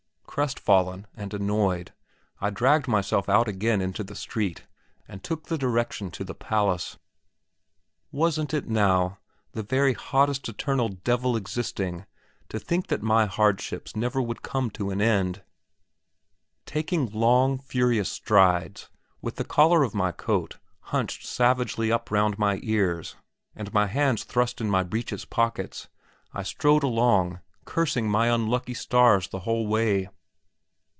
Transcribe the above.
Crestfallen and annoyed I dragged myself out again into the street and took the direction to the Palace. Wasn't it now the very hottest eternal devil existing to think that my hardships never would come to an end! Taking long, furious strides, with the collar of my coat hunched savagely up round my ears, and my hands thrust in my breeches pockets, I strode along, cursing my unlucky stars the whole way.